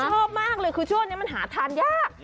ชอบมากเลยคือช่วงนี้มันหาทานยาก